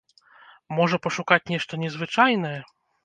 Можа, пашукаць нешта незвычайнае?